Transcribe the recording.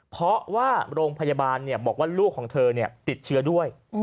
เพราะว่าโรงพยาบาลบอกว่าลูกของเธอติดเชื้อด้วย